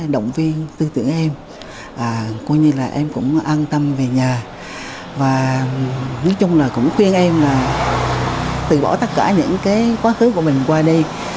đồng viên tư tưởng em cuối như là em cũng an tâm về nhà và nói chung là cũng khuyên em là từ bỏ tất cả những quá khứ của mình qua đây